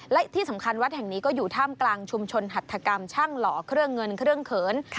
และที่สำคัญวัดแห่งนี้ก็อยู่ท่ามกลางชุมชนหัตถกรรมช่างหล่อเครื่องเงินเครื่องเขิน